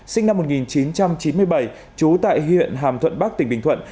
sinh năm một nghìn chín trăm chín mươi bảy trú tại huyện hàm thuận bắc tỉnh bình thuận